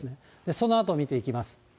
そのあと見ていきます。